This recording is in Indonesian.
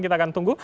kita akan tunggu